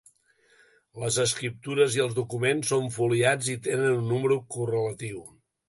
Les escriptures i els documents són foliats i tenen un número correlatiu.